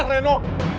aku pasrah reno